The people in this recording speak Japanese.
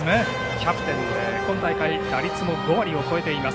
キャプテンとして今大会打率も５割を超えています。